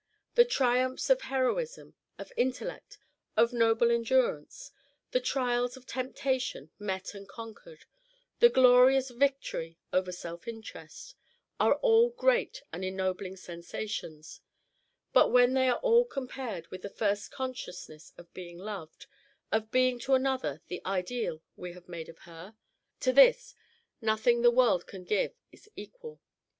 The triumphs of heroism, of intellect, of noble endurance; the trials of temptation met and conquered; the glorious victory over self interest, are all great and ennobling sensations; but what are they all compared with the first consciousness of being loved, of being to another the ideal we have made of her? To this, nothing the world can give is equal.